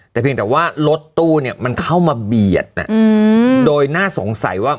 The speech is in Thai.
แต่เพียงแต่ว่ารถตู้เนี่ยมันเข้ามาเบียดโดยน่าสงสัยว่า